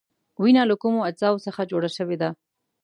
وینه له کومو اجزاوو څخه جوړه شوې ده؟